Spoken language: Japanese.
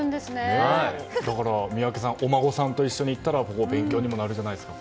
宮家さん、お孫さんと一緒に行ったら勉強にもなるじゃないですか。